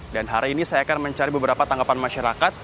dan hari ini saya akan mencari beberapa tanggapan masyarakat